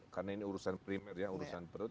karena ini urusan primer ya urusan perut